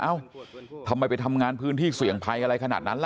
เอ้าทำไมไปทำงานพื้นที่เสี่ยงภัยอะไรขนาดนั้นล่ะ